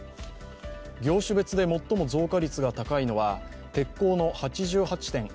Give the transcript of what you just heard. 業種別で最も増加率が多いのは鉄鋼の８８．１％。